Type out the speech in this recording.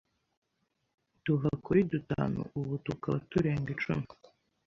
tuva kuri dutanu ubu tukaba turenga icumi”.